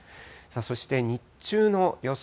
そして日中の予想